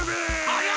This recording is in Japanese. ありゃ！